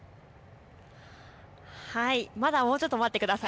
まだもうちょっと待ってください。